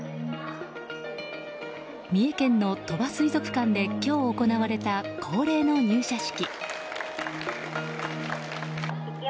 三重県の鳥羽水族館で今日行われた恒例の入社式。